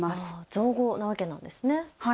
造語なわけなんですね。